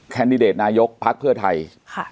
แคนดิเดตนายกภักษ์เพื่อไทยค่ะ